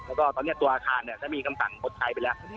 แล้วก็ตอนนี้ตัวอาคารเนี่ยก็มีคำสั่งชดใช้ไปแล้ว